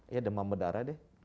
ya demam berdarah deh